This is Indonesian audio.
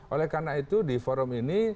oleh karena itu di forum ini